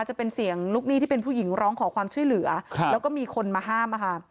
จะเป็นเสียงลูกหนี้ที่เป็นผู้หญิงร้องขอความช่วยเหลือแล้วก็มีคนมาห้าม